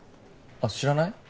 あっ知らない？